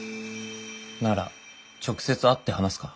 なら直接会って話すか。